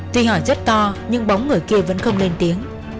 tuy hỏi rất to nhưng bóng người kia vẫn không lên tiếng